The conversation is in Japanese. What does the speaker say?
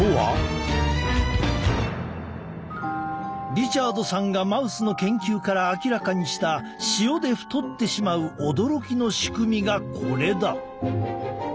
リチャードさんがマウスの研究から明らかにした塩で太ってしまう驚きの仕組みがこれだ。